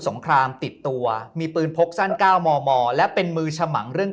งครามติดตัวมีปืนพกสั้น๙มมและเป็นมือฉมังเรื่อง